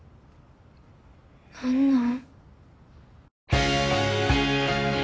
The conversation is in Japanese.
何なん？